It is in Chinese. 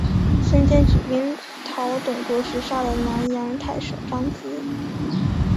孙坚举兵讨董卓时杀了南阳太守张咨。